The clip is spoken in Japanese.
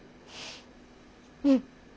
うん。